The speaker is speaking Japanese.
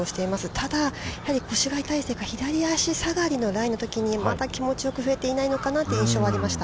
ただ、やはり腰が痛いせいか左足下がりのライのときにまだ気持ちよく振れていないのかなという印象はありました。